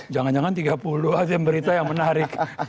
jangan jangan tiga puluh aja berita yang menarik